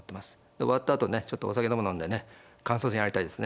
終わったあとねちょっとお酒でも飲んでね感想戦やりたいですね。